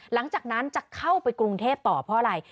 หลังจากนั้นจะเข้าไปกรุงเทพต่อเพราะอะไร